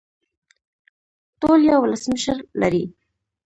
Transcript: ټول یو ولسمشر لري